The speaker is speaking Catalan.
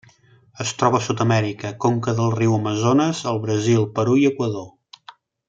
Es troba a Sud-amèrica: conca del riu Amazones al Brasil, Perú i Equador.